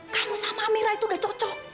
kamu sama mira itu udah cocok